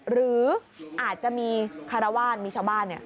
หรืออาจจะมีคารวาสมีชาวบ้าน